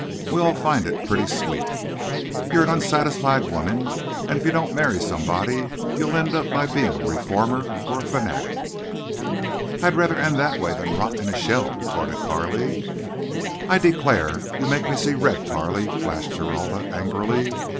We all find it pretty sweet. You're an _un_satisfied woman and if you don't marry somebody you'll end by being a reformer or fanatic." "I'd rather end that way than rot in a shell," retorted Carley. "I declare, you make me see red, Carley," flashed Geralda, angrily.